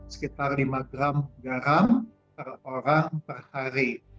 sekitar lima gram garam per orang per hari